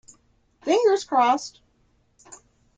Fingers crossed!